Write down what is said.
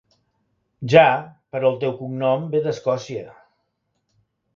Ja, però el teu cognom ve d'Escòcia.